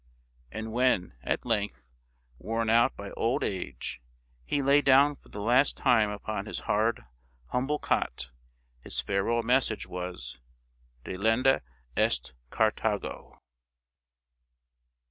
And when, at length, worn out by old age, he lay down for the last time upon his hard, humble cot, his farewell message was, " Delenda est Carthago